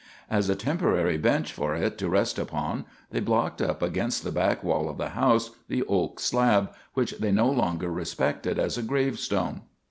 As a temporary bench for it to rest upon, they blocked up against the back wall of the house the oak slab, which they no longer respected as a gravestone.